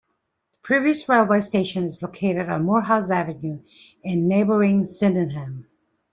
The previous railway station is located on Moorhouse Avenue in neighbouring Sydenham.